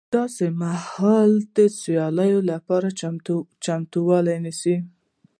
داسې مهال د دې سیالیو لپاره چمتوالی نیسي